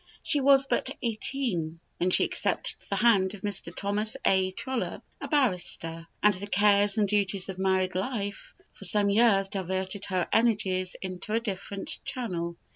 She was but eighteen when she accepted the hand of Mr. Thomas A. Trollope, a barrister, and the cares and duties of married life for some years diverted her energies into a different channel.